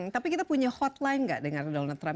tapi kita punya hotline gak dengan donald trump